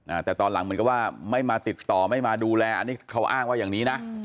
อ่าแต่ตอนหลังเหมือนกับว่าไม่มาติดต่อไม่มาดูแลอันนี้เขาอ้างว่าอย่างนี้นะ